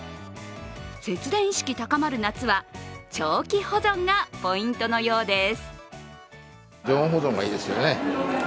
節電意識高まる夏は長期保存がポイントのようです。